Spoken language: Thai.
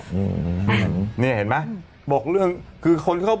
สุดท้ายสุดท้าย